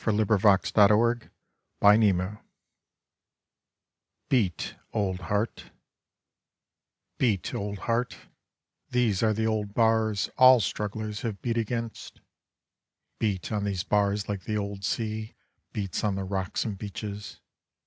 Slabs of the Sunburnt West 33 BEAT, OLD HEART Beat, old heart, these are the old bars All strugglers have beat against. Beat on these bars like the old sea Beats on the rocks and beaches.